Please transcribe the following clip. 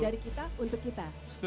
dari kita untuk kita